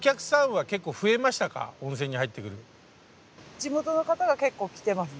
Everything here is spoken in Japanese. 地元の方が結構来てますね。